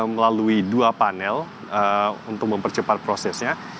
melalui dua panel untuk mempercepat prosesnya